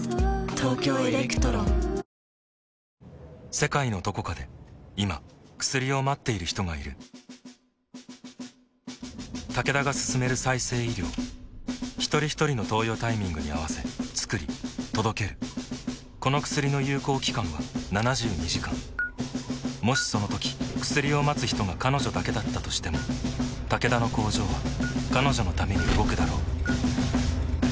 世界のどこかで今薬を待っている人がいるタケダが進める再生医療ひとりひとりの投与タイミングに合わせつくり届けるこの薬の有効期間は７２時間もしそのとき薬を待つ人が彼女だけだったとしてもタケダの工場は彼女のために動くだろう